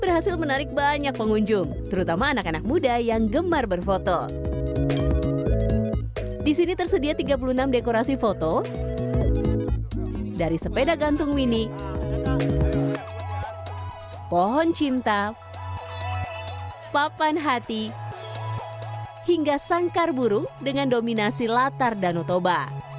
hingga sangkar burung dengan dominasi latar danau toba